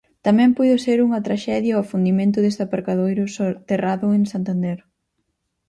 Tamén puido ser unha traxedia o afundimento deste aparcadoiro soterrado en Santander.